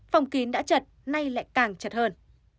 phòng kín đã chật nay lại càng chật hơn